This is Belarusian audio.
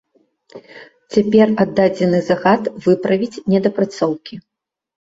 Цяпер аддадзены загад выправіць недапрацоўкі.